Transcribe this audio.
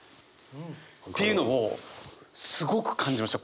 っていうのをすごく感じました